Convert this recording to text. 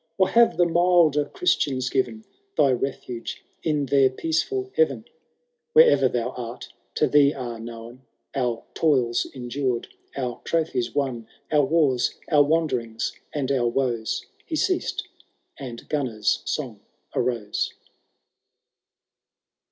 Or have the milder Christians given Thy refuge in their peacefiil heaven ? Canto III, HABOLD THB OAUNTLBW. 149 Wherever thou art, to thee are known Our toils endured, our trophies won. Our wars, our wanderings, and our woet. He ceased, and Gunnar^ song arose.